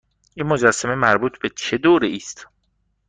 این مجسمه مربوط به چه دوره ای است؟